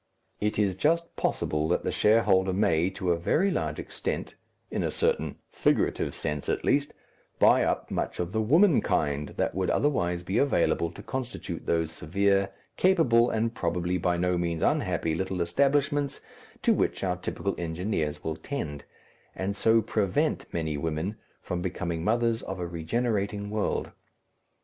It is just possible that the shareholder may, to a very large extent in a certain figurative sense, at least buy up much of the womankind that would otherwise be available to constitute those severe, capable, and probably by no means unhappy little establishments to which our typical engineers will tend, and so prevent many women from becoming mothers of a regenerating world.